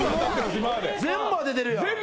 全部当ててるやん。